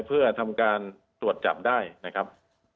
เพื่อทำการตรวจจับได้นะครับ